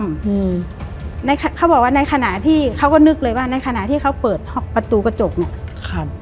อืมในเขาบอกว่าในขณะที่เขาก็นึกเลยว่าในขณะที่เขาเปิดประตูกระจกเนี้ยครับ